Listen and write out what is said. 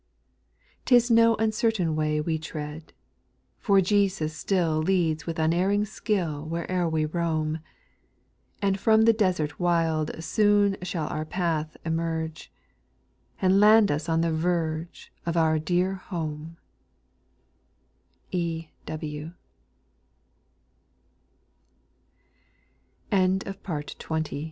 4. 'T is no uncertain way We tread, for Jesus still Lends with unerring skill Where'er we roam ; And from the desert wild Soon shall our path emerge, And land us on the ver